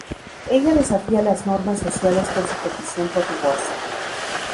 Ella desafía las normas sociales por su petición por divorcio.